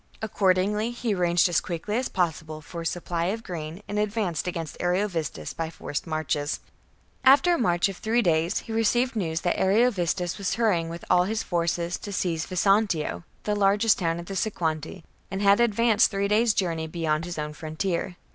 Accordingly he arranged as quickly as possible for a supply of grain, and advanced against Ariovistus by forced marches. 38. After a march of three days he received and forestalls news that Ariovistus was hurrymg with all his ingVesontio r • T T • 1 1 r \ (Besangon). forces to seize Vesontio, the largest town of the Sequani, and had advanced three days' journey beyond his own frontier.